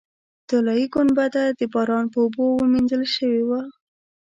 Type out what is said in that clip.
طلایي ګنبده د باران په اوبو وینځل شوې وه.